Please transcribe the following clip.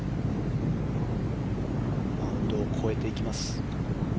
マウンドを越えていきます